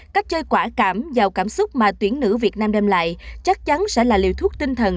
cách chơi quả cảm giàu cảm xúc mà tuyển nữ việt nam đem lại chắc chắn sẽ là liều thuốc tinh thần